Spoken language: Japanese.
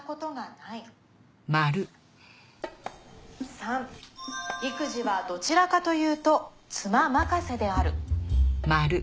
３育児はどちらかというと妻任せである。